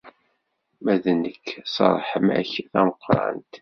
Ma d nekk, s ṛṛeḥma-k tameqqrant.